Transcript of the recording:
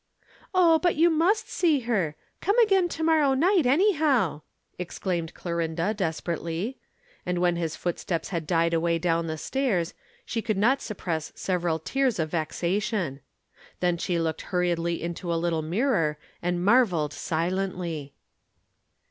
"Oh, but you must see her! Come again to morrow night, anyhow," exclaimed Clorinda desperately. And when his footsteps had died away down the stairs, she could not repress several tears of vexation. Then she looked hurriedly into a little mirror and marvelled silently.